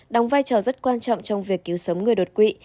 đóng vai trò rất quan trọng trong việc cứu sống người đột quỵ